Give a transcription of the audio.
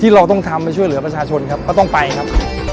เราต้องทำไปช่วยเหลือประชาชนครับก็ต้องไปครับ